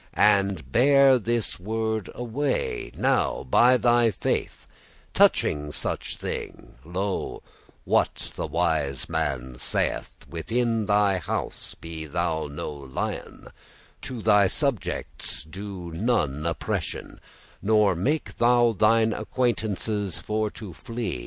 And bear this word away now, by thy faith, Touching such thing, lo, what the wise man saith: 'Within thy house be thou no lion; To thy subjects do none oppression; Nor make thou thine acquaintance for to flee.